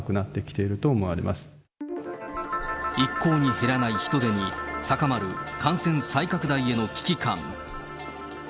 いっこうに減らない人出に、高まる感染再拡大への危機感。